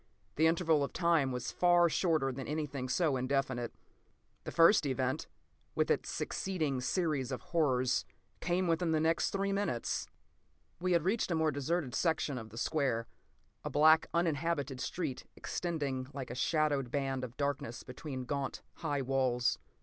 The interval of time was far shorter than anything so indefinite. The first event, with its succeeding series of horrors, came within the next three minutes. We had reached a more deserted section of the square, a black, uninhabited street extending like a shadowed band of darkness between gaunt, high walls.